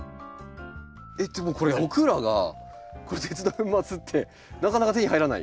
でもこれ僕らがこの鉄の粉末ってなかなか手に入らない。